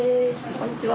こんにちは。